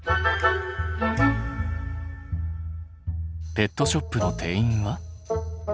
ペットショップの店員は？